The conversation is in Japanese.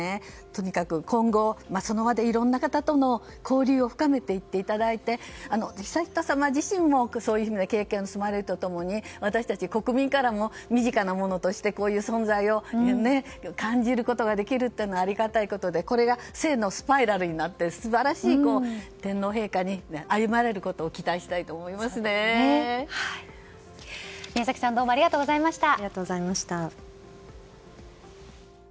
とにかく今後、それまでいろんな方との交流を深めていって悠仁さま自身もそういう経験を積まれて私たち国民からも身近なものとしてこういう存在を感じることができるのはありがたいことでこれが正のスパイラルになって素晴らしい天皇陛下に歩まれることを宮崎さんどうもありがとうございました。